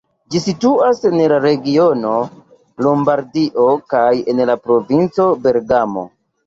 Ĝi situas en la regiono Lombardio kaj en la provinco Bergamo.